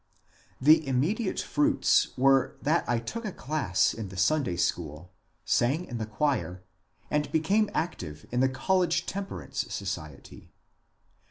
The immediate fruits were that I took a class in the Sun day school, sang in the choir, and became active in the college temperance society.